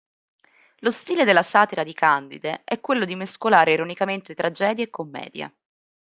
Lo stile della satira di Candide è quello di mescolare ironicamente tragedia e commedia.